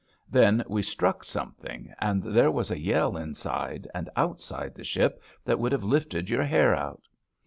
Then we struck something, and there was a yell inside and outside the ship that iwould have lifted your hair out.